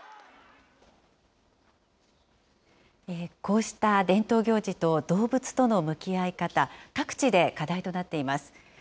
こうした伝統行事と動物との向き合い方、各地で課題となっています。